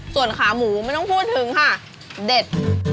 ส่วนขาหมูไม่ต้องพูดถึงค่ะเด็ด